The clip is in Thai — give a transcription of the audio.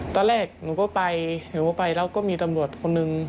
ตอนแรกหนูก็ไปหนูก็ไปแล้วก็มีตำรวจคนนึง